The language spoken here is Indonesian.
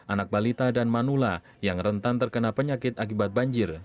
anak balita dan manula yang rentan terkena penyakit akibat banjir